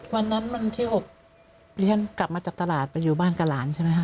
วันนั้นมันที่๖พิเศษกลับมาจากตลาดไปอยู่บ้านกับหลานใช่ไหมคะ